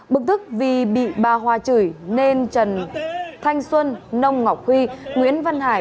bức tức vì bị bà hòa chửi nên trần thanh xuân nông ngọc huy nguyễn văn hải